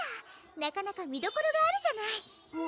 なかなか見どころがあるじゃない！